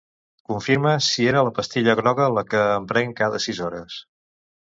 Confirma si era la pastilla groga la que em prenc cada sis hores.